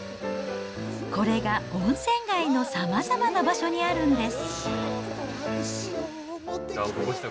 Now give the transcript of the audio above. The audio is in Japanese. これが温泉街のさまざまな場所にあるんです。